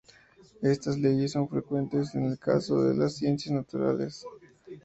Estas leyes son frecuentes en el caso de las ciencias naturales.